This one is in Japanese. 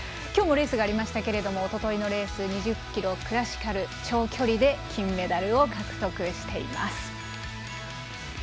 今日もレースがありましたがおとといのレース２０ｋｍクラシカル長距離で金メダルを獲得しています。